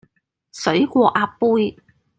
水過鴨背